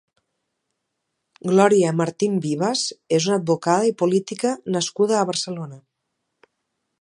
Gloria Martín Vivas és una advocada i política nascuda a Barcelona.